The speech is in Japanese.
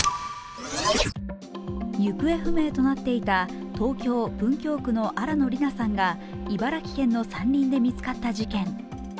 行方不明となっていた東京・文京区の新野りなさんが茨城県の山林で見つかった事件。